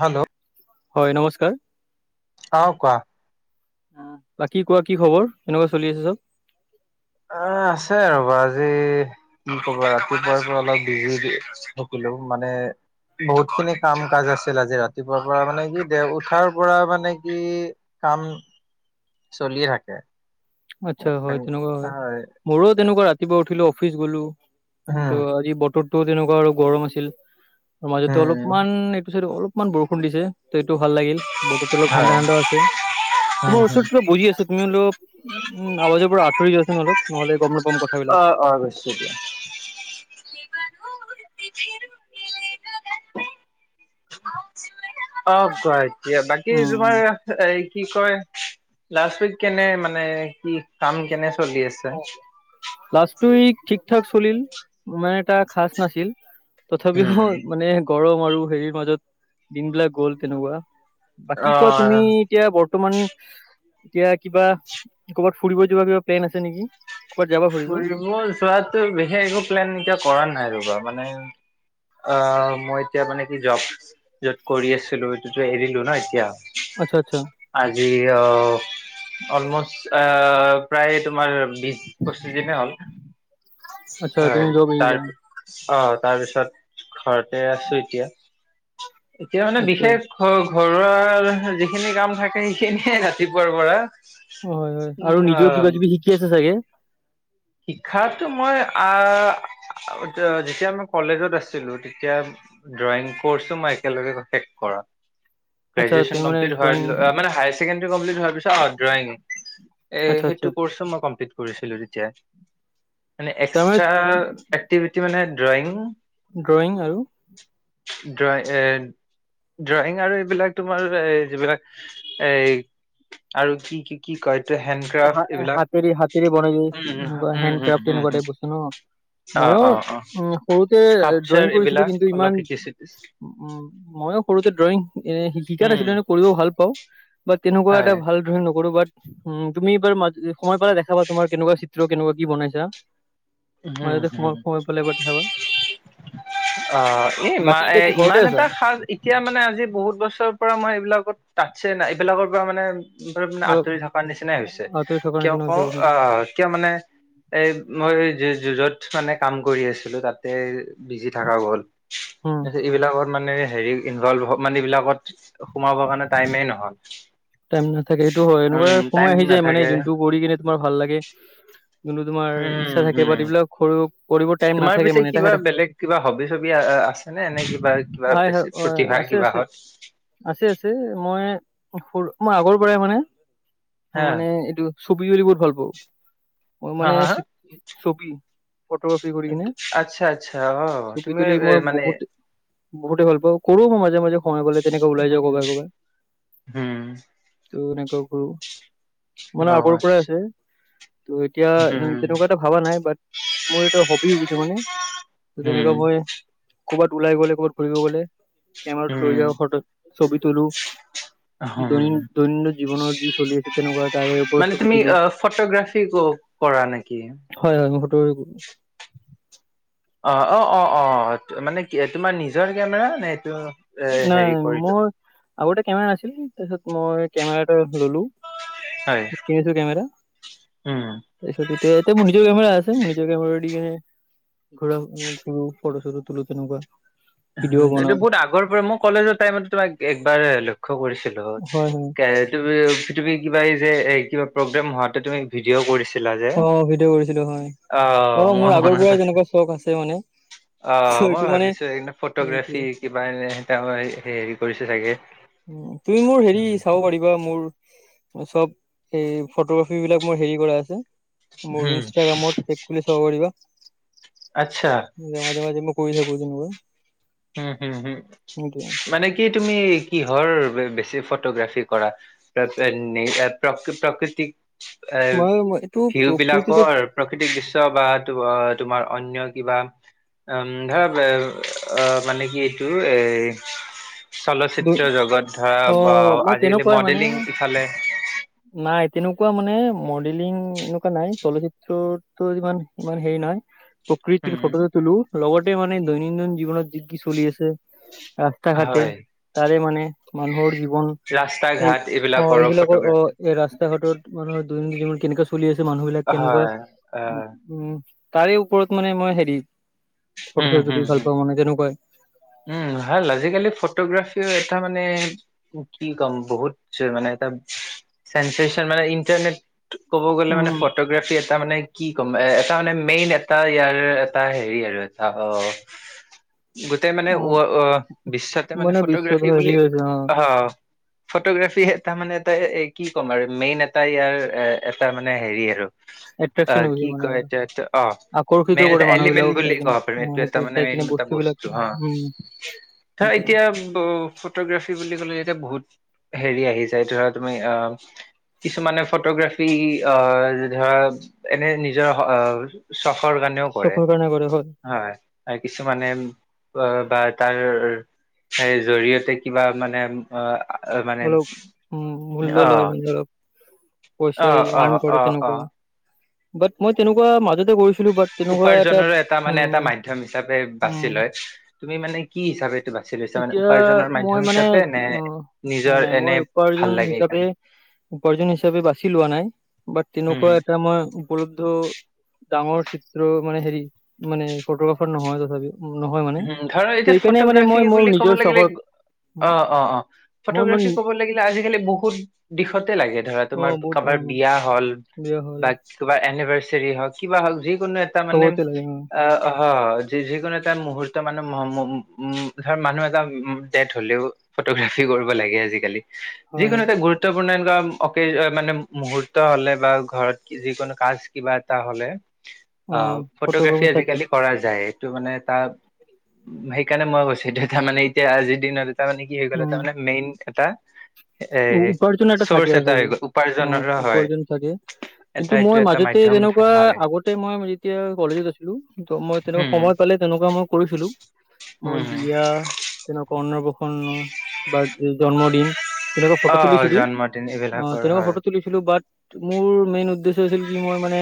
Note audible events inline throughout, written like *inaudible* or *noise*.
Hello! হয়, নমস্কাৰ। অ', কোৱা। অ', বাকি কোৱা কি খবৰ, কেনেকুৱা চলি আছে চব? অ', আছে আৰু আজি কি কবা ৰাতিপুৱাৰ পৰা অলপ বিজি বি সকল লো মানে বহুত খিনি কাম কাজ আছিল আজি ৰাতিপুৱাৰ পৰা মানে কি দে উঠাৰ পৰা মানে কি কাম চলিয়ে থাকে আচ্ছা হয় তেনেকুৱা হয় মোৰো তেনেকুৱা ৰাতিপুৱা উঠিলো অফিচ গ'লো। ত উম আজি বতৰতটোো তেনেকুৱা আৰু গৰম আছিল মাজতে উম অলপমান একটোিছ অলপ ইমান বৰষুণ দিছে ত এইটো ভাল লাগিল। বতো অলপ হয় ঠাণ্ডা ঠাণ্ডা আছে উম তোমাৰ হম ওচৰতো অলপ বজি আছ তুমি অলপ উম আৱাজৰ পৰা আতৰি গৈছে নহ'লেক নহ'লে গম নাপাম কথাবিলাক অ অ বৈছো দিয়া অ গুৱাহাট বাকী উম উম। তোমাৰ এই কি কয় লাষ্ট উইক কেনে মানে কি কাম কেনে চলি আছে লাষ্টটোই ঠিকঠাক চলিল মানে এটা খচ নাছিল তথাপিও উম। মানে গৰম আৰু হেৰিৰ মাজত দিনবলাক গ'ল তেনেকুৱা বাকী কোৱা তুমি অ' এতিয়া বৰ্তমান এতিয়া কিবা ক'বাত ফুৰিব যোৱা কিবা প্লেন আছে নেকি ক'ৰবাত যাবা ফুৰিব যোৱাতটো বিশেষ একো প্লেন এতিয়া কৰা নাই ৰ'বা মানে অ মই এতিয়া মানে কি জব যত কৰি আছিলো এইটোতো এৰিলো ন এতিয়া আচ্ছা আচ্ছা এই অ অলমষ্ট প্ৰায় তোমাৰ বি পঁচি দিনে হ'ল আচ্ছা হয় তুমি জব তাৰ এৰিলা অ তাৰপিছত ঘৰতে আছো এতিয়া এতিয়া মানে আচ্ছা বিশেষ ঘ ঘৰুৱা যিখিনি কাম থাকে সেইখিনিয়ে ৰাতিপুৱাৰ পৰা হয় হয় আৰু উম, নিজেও কিবা কিবি শিকি আছে চাগে শিক্ষাতো মই আহ যেতিয়া মই কলেজত আছিলো তেতিয়া ড্ৰয়িং কৰ্ছো মই একেলগে আচ্ছা শেষ তুমি মানে ড্ৰয়িং আচ্ছা আচ্ছা *inaudible* েই মানে তাৰমানে এক্সট্ৰা এক্টিভিটি মানে ড্ৰয়িং ড্ৰয়ং আৰু ড্ৰ এ ড্ৰয়িং আৰু এইবিলাক তোমাৰ এই যিবিলাক এই আৰু কি কি কি কয় এইটো হেণ্ডক্ৰাফট এইবিলাক হাতেৰ হাতেৰে বনাই উম যায় এনেকুৱা উম হেণ্ড উম ক্ৰাফ্ট উম উম এনেকুৱা াই বস্তু ন অ ময়ো অ অ উ সৰুতে স্কাপচাৰ ড্ৰয়িং কৰিছিলো এইবিলাক কিন্তু অলপ ইমান শিকিছিলো উম ময়ো সৰুতে ড্ৰয়িং এ শ শিকাত উম আছিলো কৰিবও ভাল পাওঁ বা তেনেকুৱা হয় এটা ভাল ড্ৰয়িং নকৰো বাট উ তুমি এইবাৰ সময় পালে দেখাবা তোমাৰ কেনেকুৱা চিত্ৰ কেনেকুৱা কি বনাইছা হুম মইতে সম হুম সময় পালাই বা খাবা অ এই ইা এ ইমান এটা সাজ এতিয়া মানে আজি বহুত বছৰৰ পৰা মই বিলাকত তাটছে না এইবিলাকৰ পৰা মানে ধ মানে অলপ আঁতৰি থকাৰ নিচিনাই হৈছে আঁতৰি থকাৰ কিয় নিচিনা হৈছে কওঁ আহ কিয় মানে এই মই যুঁজত মানে কাম কৰি আছিলো তাতে বিজি থকা গ'ল উম, এইবিলাকত মানে হেৰি ইনভলভ মানে এই বিলাকত সোমাবৰ কাৰণে টাইমেই নহল টাইম নাথাকে সেইটো হয় এনেকুৱা উম টাইম সময় আহি যায় মানে নাথাকে যোনটো কৰি কিনে তোমাৰ ভাল লাগে যোনটো তোমাৰ ইচ্ছা উম থাকে বা হম এইিবিলাক সৰু কৰিব টাইম তোমাৰ নাথাকে পিছে মানে এটা কিবা বেলেগ কিবা হবি চবি আছে নে এনে কিবা কিবা হয় হয় বেছি অ' প্ৰতিভা আছে আছে কিবাাহত আছে আছে মই সৰু মই আগৰ পৰাই মানে হা মানে এইটো ছবি জুলি বহুত ভাল পাওঁ মই হা মানে হা ছবি ফটোগ্ৰাফি কৰি কিনে আচ্ছা আচ্ছা অ ছবি তুমি তুলি এ মই মানে বহুত বহুতে ভাল পাওঁ, কৰো মাজে, মাজে সময় গ'লে তেনেকে ওলাই যাও ক'ৰবাত, ক'ৰবাত। উম ত এনেকুৱা কৰো হম মানে অ আগৰ পৰাই আচ্ছা আছে। ত এতিয়া হম তেনেকুৱা এটা ভাবা নাই বাট মোৰ এটা হবি ভাবিছো মানে। হম তেনেকৈ মই ক'ৰবাত ওলাই গ'লে ক'ৰবাত ফুৰিব গ'লে, কেমেৰাটো উম লৈ যাওঁ ফটো ছবি তুলো। আছে তেনেকুৱা তাৰে ওপৰত মানে ছবি তুমি তোলো ফটোগ্ৰাফি কৰা? নেকি। *unintelligible* ফটোগ্ৰাফী অ', অ', অ', অ'মানে কি তোমাৰ নিজৰ কেমেৰা নে এইটো এ নাই হেৰি কৰিলো মোৰ আগতেটো কেমেৰা না, তাৰপিছত মই কেমেৰাটা ল'লো। হয় কিনিছো কেমেৰাটো, উম তাৰপিছত এতিয়া এতিয়া মোৰ নিজৰ কেমেৰা নিজৰ কেমেৰা ফটো চটো তোলো তেনেকুৱা। ভিডিঅ' এইটো বনাও বহুত আগৰ পৰাৰে মোৰ কলেজৰ টাইমত তোমাক একবাৰ হলো। লক্ষ্য কৰিছিলো, হয় হয় তুমি, তুমি কিবা এই যে এ কিবা প্ৰগ্ৰেম হোৱাটো তুমি ভিডিঅ' কৰিছে ছিলা যে অ ভিডিঅ' কৰিছিলো হয় অ অ', মোৰ আগৰ পৰাই মনত আছে। তেনেকুৱা চখ আছে মানে অ', মই এইটো মানে ভাবিছো এই সেইটোৱে ফটোগ্ৰাফী কিবা এনে মই হেৰি কৰিছে চাগে। উম, তুমি মোৰ হেৰি চাব পাৰিবা মোৰ চব ফটোগ্ৰাফী বিলাক মোৰ হেৰি কৰা আছে। মোৰ হুম ইনষ্টাগ্ৰামত পেজ খুলি চাব পাৰিবা। আচ্ছা জেগা, জেগা যে মই কৰি থাকোঁ। উম, উম, উম, মানে কি তুমি কিহৰ বেছি ফটোগ্ৰাফি কৰা প্ৰ-প্ৰাকৃতিক এ, মই এইটো ভিও প্ৰকৃতিটো বিলাকৰ প্ৰাকৃতিক দৃশ্য বা ত তোমাৰ অন্য কিবা উম, ধৰা অ', মানে কি এইটো এ চলচিত্ৰ জগত ধৰা অ বা মই আজিকালি তেনেকুৱাই মানে মডেলিং ইফালে। নাই তেনেকুৱা মানে মডেলিং এনেকুৱা নাই, চলচিত্ৰতো ইমান, ইমান হেৰি নহয়। প্ৰকৃৃতি ফটোটো তুলো, লগতে মানে দৈনন্দিন জীৱনৰ যি কি চলি আছে। ৰাস্তা-ঘাটে হয় তাৰে মানে মানুহৰ জীৱ এই ৰাস্তা ঘাট অ', এইবিলাকৰো এইবিলাকৰ ফটোগ্ৰাফী অ', এই ৰাস্তা ঘাটত মানুহ। দৈনন্দিন জীৱন কেনেকুৱা চলি আছে, মানুহ বিলাক কেনেকুৱা হয় অ উ-উম। তাৰে ওপৰত মানে মই হেৰি। ফটো উম, চটো তুলি হম, ভাল হম, পাওঁ মানে তেনেকুৱাই উম, ভাল আজিকালি ফটোগ্ৰাফি এইটো এটা মানে কি ক'ম বহুত মানে এটা চেনচন মানে ইণ্টাৰনেট ক'ব গ'লে মানে উম ফটোগ্ৰাফী এটা মানে কি ক'ম। তাৰ মানে, মেইন এটা ইয়াৰ এটা হেৰি আৰু এটা অ'। গোটেই মানে অ', বিশ্বতে মানে বিশ্বত ফটোগ্ৰাফি হেৰি বুলি হৈছে অ'। ফটোগ্ৰাফী এটা মানে, এটা কি ক'ম আৰু মেইন এটা ইয়াৰ এ-এটা মানে হেৰি আৰু। এট্ৰেকচন অ', হৈ গৈছে কি মানে কয় ত অ', আকৰ্ষিত মেই কৰে মানুহ এলিমেণ্ট বিলাকক চাই বুলি। কিনে ক'ব অ এইটো এটা সেইটো মানে চাই মেইন কিনে এটা বিলাক বস্তু হা। উম তাৰ সেইটোৱে এতিয়া ফটোগ্ৰাফী বুলি ক'লে, এতিয়া বহুত হেৰি আহি যাই, এই ধৰা তুমি অ'। কিছুমানে ফটোগ্ৰাফি অ', ধৰা এনে নিজৰ চ চকুৰ কাৰনে কৰে হ'ল। কিছুমানে অ', বা তাৰ সেই জৰিয়তে কিবা মানে অ'। মানে অলপ উম, মূল্য অ লয় মানে অলপ। কৈছে অ অ আৰ্ন কৰে অ অ অ তেনেকুৱা বাট মই তেনেকুৱা মাজতে কৰিছো। উপাৰ্জনো এটা মানে এটা মাধ্যম হিচাপে বাছি উম লয়, তুমি মানে কি হিচাপে। এইটো বাছি লৈছা মানে এতিয়া উপাৰ্জনৰ মাধ্যম মই মানে হিচাপে নে অ' নাই নিজৰ নাই এনে মই ভাল উপাৰ্জন লাগে হিচাপে। সেইকাৰণে উপাৰ্জন হিচাপে বাচি লোৱা নাই বাট তেনেকুৱা উম এটা মই উপলব্ধ। ডাঙৰ চিত্ৰ মানে হেৰি মানে ফটোগ্ৰাফাৰ নহয় তথাপিও। নহয় মানে উম ধৰা ত এতিয়া এইকাৰণে মানে ফটোগ্ৰাফী মই মোৰ বুলি ক'ব নিজৰ লাগিলে চহৰত। অ' অ' অ' ফটোগ্ৰাফী ক'ব লাগিলে আজিকালি বহুত দিশতে লাগে ধৰা অ তোমাৰ বহুত অ কাৰবাৰ। বিয়া হ'ল বিয়া হ'ল বা কিবাৰ। এনেভাচেৰি হক কিবা যিকোনো এটা মানে চবতে লাগে অ এ আহ যিকোনো এটা মোহত্ব এ। মানুহ উ ধৰ মানুহ এটা ডেট হ'লেও ফটোগ্ৰাফি কৰিব লাগে আজিকালি। হয় যিকোনো হয় এটা গুৰুত্ব এনেকুৱা অ' মানে মুহোত হ'লে বা ঘৰত যিকোনো কাজ কিবা এটা হ'লে। অ' ফটোগ্ৰাফি ফটোগ্ৰাফাৰ থাকে আজিকালি কৰা যায়। ত মানে তাৰ উ সেইকাৰণে মই কৈছো দে তাৰ মানে এতিয়া আজিৰ দিনত তাৰ মানে কি হৈ গ'ল তাৰমানে মেইন এটা। এ উপাৰ্জ এটা থাকে চৰ্চ হৈ থাকে গ'ল অ' উপাৰ্জনৰো হয় উপাৰ্জন থাকে। এটা কিন্তু এইটো মই এটা মাজতে মাধ্যম যেনেকুৱা থকা হয় আগতে মই যেতিয়া কলেজত আছিলো। ত মই তেনেকা উম সময় পালে, তেনেকুৱা মই কৰিছিলো, মই উম বিয়া তেনেকুৱা অন্নপ্ৰশন। বা জন্মদিন। তেনেকুৱা ফটো অ তুলিছিলো জন্মদিন অ' এইবিলাকৰ তেনেকুৱা হয় ফটো তুলিছিলো বাট। মোৰ মেইন উদ্দেশ্য হৈছে কি মই মানে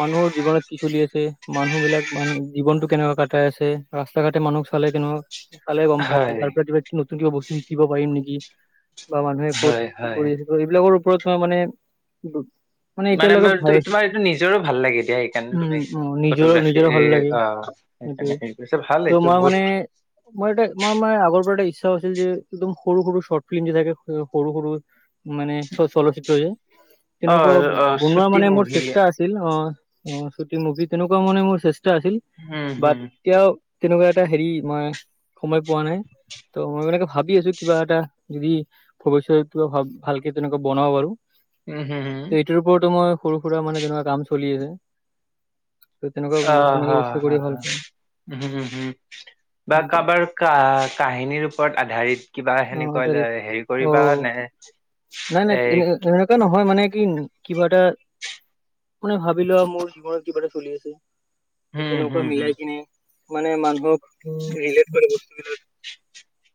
মানুহৰ জীৱনত কি চলি আছে। মানুহ বিলাক মান জীৱনতটো কেনেকুৱা কটাই আছে, ৰাস্তা ঘাটে মানুহক চালে কেনেকুৱা। ফালে গ'ম পায়, হয় তাৰ পৰা কিবা নতুন কিবা বস্তু শিকিব পাৰিম নেকি। বা মানুহে ক'ত হয় কি হয় কৰি আছে, এইবিলাকৰ ওপৰত মই মানে। মানে মোৰ তোমাৰ এইটো নিজৰো ভাল লাগিছে উম, সেইকাৰণে তুমি উম, নিজৰ ফটোগ্ৰাফি নিজৰে অ'। ভাল লাগে সেইটোয়ে সেইকাৰণে সেই কৰিছে ভাল ত' এইটো মই মানে বহুত। মই এতে মই মে আগৰ পৰা এটা এৰিছো। *unintelligible* আছিল যে একদম সৰু সৰু চৰ্ট পিন্ধি থাকে সৰু সৰু মানে চলচ্চিত্ৰ যে। অ তেনেকুৱা অ বনোৱা ছুটি মানে মোৰ মুভি চেষ্টা আছিল অ' চুটি মুভিত। তেনেকুৱা মান মোৰ চেষ্টা আছিল হম বাট হম এতিয়াও। তেনেকুৱা এটা হেৰি মই সময় পোৱা নাই। ত মই মনেক ভাবি আছো কিবা এটা যদি। ভৱিষ্যতে কিবা ভা ভালকে তেনেকুৱা বনাব বাৰু উম হম হম এইটোৰ ওপৰতো মই। সৰু সুৰা মানে তেনেকুৱা কাম চলি আছে। ত' তেনেকুৱা অ' তেনেকুৱা হা' বস্তু কৰি হা' ভাল হা' পাওঁ। হম, হম। বা কাৰোবাৰ ক কাহিনীৰ ওপৰত আধাৰিত কিবা অ সেনেকুৱা আধাৰিত হেৰি অ কৰিম। *unintelligible* হয় মানে কি কিবা এটা মানে ভাবি লোৱা মোৰ জীৱনত কিবা এটা চলি আছে। হম তেনেকুৱা হম হম মিলাই কিনে। মানে মানুহক ৰিলেট কৰে বস্তুবিলাক।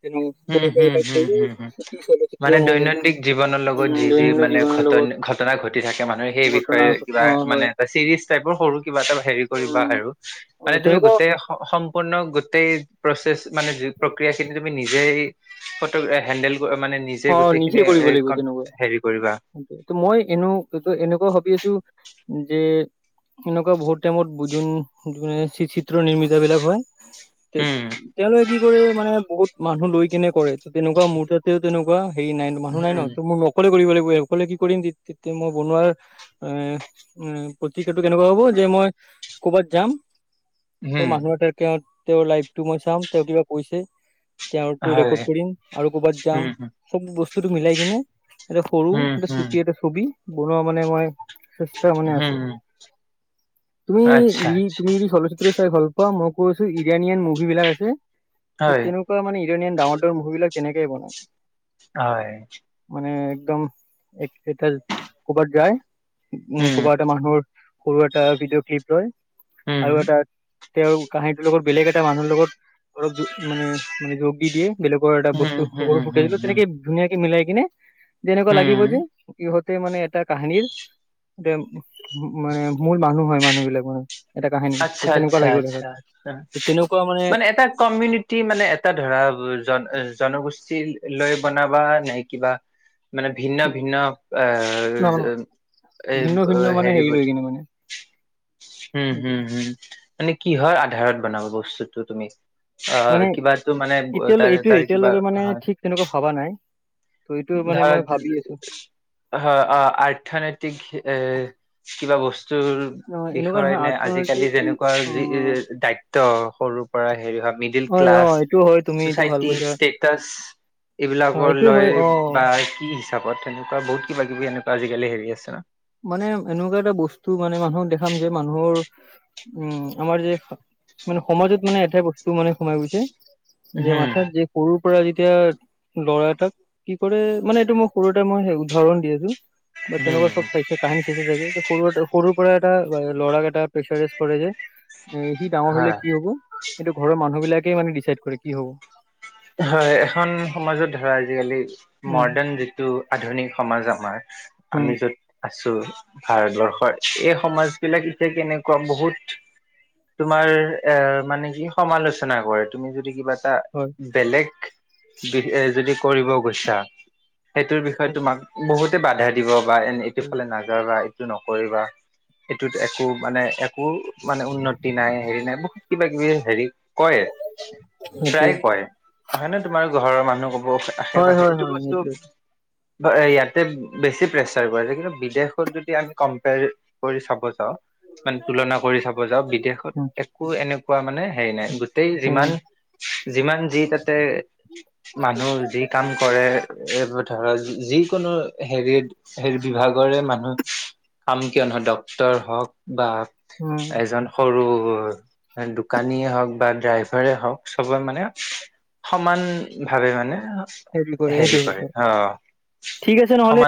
তেনে উম, তেনেকুৱা হুম এটা হুম সৰু হুম হুম। চুটি চলচিত্ৰ মানে হব দৈনন্দিন জীৱনৰ উম লগত যি যি দৈনন্দিন মানে জীৱনৰ ঘটন লগত ঘটনা ঘটি থাকে মানুহে সেই ঘটনা বিষয়ে। অ যাক মানে হয় এটা চিৰিঞ্জ টাইপ সৰু কিবা এটা হেৰি কৰিবা উম আৰু অ তুমি তেনেকুৱা গোটেই সম্পূৰ্ণ গোটেই প্ৰচেষ্ট মানে যি প্ৰক্ৰিয়া সেইটো তুমি নিজে আহি ফটো এ হেন্দল মানে নিজে অ গোটেইখিনি কৰিব লাগিব তেনেকুৱা হেৰি ক'ত কৰিবা। ত মই এনো এনেকুৱা ভাবি আছো। যে এনেকুৱা বহুত টাইমত যোন যো চিত্ৰ নিৰ্মিত বিলাক হয়। তে উম তেওঁলোকে কি কৰে মানে বহুত মানুহ লৈ কিনে কৰে ত তেনেকুৱা মুহুৰ্ততে। তেনেকুৱা হেৰি নাই মানুহ নাই ন ত উম। মোৰ অকলে কৰিব লাগিব। অকলে কি কৰিম তেতিয়া মই বনোৱাৰ এ প্ৰতিক্ৰিয়াটো কেনেকুৱা হ'ব যে মই ক'বাত যাম। ত হম মানুহ এটা তেওঁৰ লাইফটো মই চাম তেওঁ কিবা কৈছে তেওঁো ৰেকৰ্ড হয় কৰিম আৰু ক'ৰবাত যাম উম হম সব বস্তুটো মিলাই কিনে এটা সৰু উম এটা হম চুটি এটা ছবি বনোৱা মানে মই চেষ্ট মনে হম আছে তুমি আচ্ছা য আচ্ছা তুমি যদি চলচিত্ৰ চাই ভাল পোৱা মোক কৈছো ইডৰাানিয়ান মুভি বিলাক আছে ত হয় তেনেকুৱা মানে ইৰাানিয়ান ডাঙৰ ডাঙৰ মুভি বিলাক তেনেকেই বনায় হয় মানে একদম এতিয়া ক'বাত যায় উ উম ক'বাত এটা মানুহৰ সৰু এটা ভিডিঅ ক্লিপ ৰয় উম আৰু এটা তেওঁৰ কাহিনীটোৰ লগত বেলেগ এটা মানুহৰ লগত অলপ মানে মানে যোগ দি দিয়ে বেলেগৰ এটা উম বস্তু হম সৰু হম ফুটাইছিলো হম ধুনীয়াকে মিলাই কিনে যে এনেকুৱা লাগিব হম যে ইহতে মানে এটা কাহিনীৰ এতিয়া উ মানে মূল মানুহ হয় মানুহ বিলাক মানে এটা কাহিনী ত আচ্ছা তেনেকুৱা আচ্ছা লাগিব আচ্ছা দেখাত আচ্ছা তো তেনেকুৱা মানে এটা কমিউনিটি মানে এটা ধৰা জন জনগোষ্ঠী লৈ বনাবা নাই কিবা মানে ভিন্ন ভিন্ন ন আহ ন এই ভিন্ন ভিন্ন মানে হেৰি হেৰিবোধ *inaudible* হম হম হম মানে কি হয় আধাৰত বনাব বস্তুটো তুমি অ মানে কিবাো মানে এতিয়ালৈ তাৰ এইটোয়ে তাৰ কিবা এতিয়ালৈকে মানে হয় ঠিক তেনেকুৱা ভবা নাই ত' এইটো মানে মই ভাবি আছো ধাৰ হয় অ আৰ্থনৈতিক এ কিবা বস্তুৰ অ এনেকুৱা বিষয়ে নহয় নে আজি অৰ্থনৈতিক আজিকালি দি যেনেকুৱা অ যি দায়িত্ব সৰু পৰা হেৰি হয় মিডিল হয় অ ক্লাছ এইটো হয় তুমি এইটো ভাল ছচাইটি কৈছা ষ্টেটাছ অ এইবিলাকৰ এইটো হয় অ লয় বা কি হিচাপত তেনেকুৱা বহুত কিবা কিবি এনেকুৱা আজিকালি হেৰি আছে ন খাম যে মানুহৰ উম আমাৰ যে মানে সমাজত মানে এটাই বস্তু মানে সোমাই গৈছে যে হম মাথাত যে সৰু পৰা যেতিয়া লৰা এটাক কি কৰে মানে এইটো মই সৰুতে মই উদাহৰণ দি আছো বা তেনেকুৱা উম চব চাইছে কাহিনী শেষে থাকে সৰু সৰুৰ পৰা এটা ল'ৰাক এটা প্ৰেছাৰজ কৰে যে এ সি ডাঙৰ হলে হয় কি হব এইটো ঘৰৰ মানুহ বিলাকেই মানে ডিচাইড কৰে কি হব হয় এখন সমাজত ধৰা আজিকালি উম মৰ্ডাৰ্ণ যিটো আধুনিক সমাজ আমাৰ আমি উম যত আছো ভাৰতবৰ্ষৰ এই সমাজ বিলাক এতিয়া কেনেকুৱা বহুত তোমাৰ এ মানে কি সমালোচনা কৰে তুমি যদি কিবা এটা হয় বেলেগ বিষ যদি কৰিব গৈছা সেইটোৰ বিষয়ে তোমাক বহুতে বাধা দিব বা এ এইটো ফালে নাযাবা এইটো নকৰিবা এইটোত একো মানে একো মানে উন্নতি নাই হেৰি নাই বহুত কিবা কিবি হেৰি কয় সেইটোৱে প্ৰায় কয় হয় নে তোমাৰ ঘৰৰ মানুহ ক'ব আশে হয় পাশে হয় এইটো হয় বস্তু সেইটোৱে ইয়াতে বেছি প্ৰেছাৰ কৰাছে কিন্তু বিদেশত যদি আমি কম্প কৰি চাব যাওঁ মানে তুলনা কৰি চাব যাওঁ বিদেশত উম একো এনেকুৱা মানে হেৰি নাই গোটেই সেই যিমান যিমান যি যাতে মানুহ যি কাম কৰে এই ধক যিিকোনো হেৰি হেৰি বিভাগৰে মানুহ কাম কিয় নহয় ডক্তৰ হওক বা উম এজন সৰু দোকানীয়ে হওক বা ড্ৰাইভাৰে হওক চবৰে মানে সমান ভাৱে মানে সেইটো সেইটো হেৰি কৰে হয়। অ ঠিক আছে নহলে সমান